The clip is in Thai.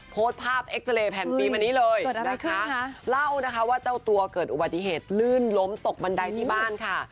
โพสต์ภาพเอ็กซาเรย์แผ่นปีมานี้เลยนะคะเล่านะคะว่าเจ้าตัวเกิดอุบัติเหตุลื่นล้มตกบันไดที่บ้านค่ะ